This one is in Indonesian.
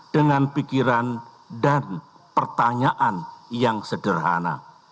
dengan pikiran dan pertanyaan yang sederhana